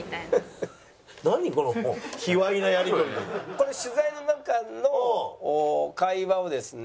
これ取材の中の会話をですね